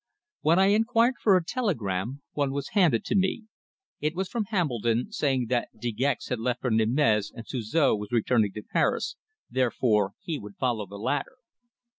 When I inquired for a telegram one was handed to me. It was from Hambledon, saying that De Gex had left for Nîmes and Suzor was returning to Paris, therefore he would follow the latter.